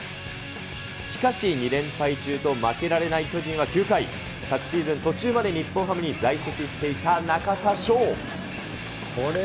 しかし、２連敗中と負けられない巨人は９回、昨シーズン途中まで日本ハムに在籍していた中田翔。